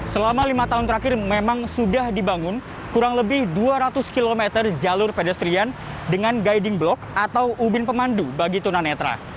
selama lima tahun terakhir memang sudah dibangun kurang lebih dua ratus km jalur pedestrian dengan guiding block atau ubin pemandu bagi tunanetra